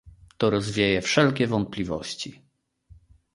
To rozwieje wszelkie wątpliwości